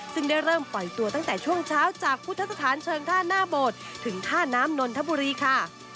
ซึ่งได้เริ่มปล่อยตัวตั้งแต่ช่วงเช้าจากพุทธสถานเชิงท่าหน้าโบสถ์ถึงท่าน้ำนนทบุรีค่ะ